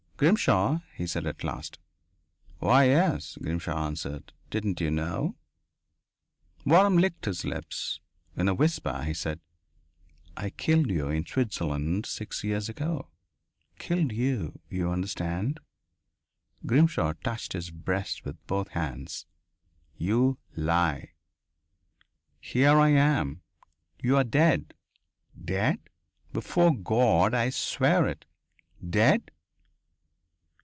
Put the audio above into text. "Grimshaw?" he said at last. "Why, yes," Grimshaw answered. "Didn't you know?" Waram licked his lips. In a whisper he said: "I killed you in Switzerland six years ago. Killed you, you understand." Grimshaw touched his breast with both hands. "You lie. "Here I am." "You are dead." "Dead?" "Before God, I swear it." "Dead?"